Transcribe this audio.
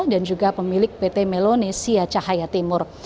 dan juga pemilik pt melonesia cahaya timur